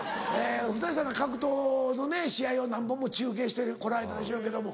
古さん格闘のね試合を何本も中継して来られたでしょうけども。